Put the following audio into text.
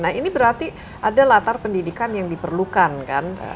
nah ini berarti ada latar pendidikan yang diperlukan kan